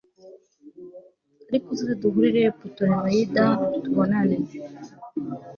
ariko uzaze duhurire i putolemayida tubonane